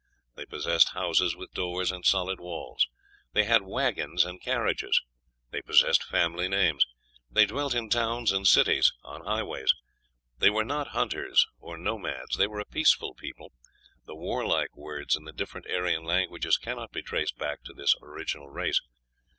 They possessed houses with doors and solid walls. They had wagons and carriages. They possessed family names. They dwelt in towns and cities, on highways. They were not hunters or nomads. They were a peaceful people; the warlike words in the different Aryan languages cannot be traced back to this original race.